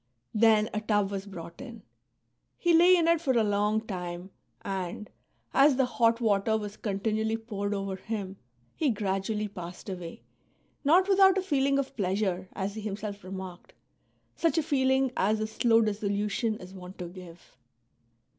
'' Then a tub was brought in ; he lay in it for a long time, and, as the hot water was continually poured over him, he gradually passed away, not without a feeling of pleasure, as he himself remarked, — such a feeling as a slow dissolution is wont to give.